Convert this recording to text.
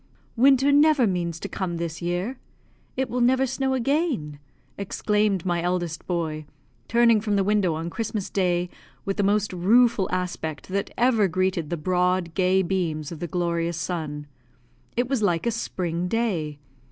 "Winter never means to come this year. It will never snow again?" exclaimed my eldest boy, turning from the window on Christmas Day, with the most rueful aspect that ever greeted the broad, gay beams of the glorious sun. It was like a spring day.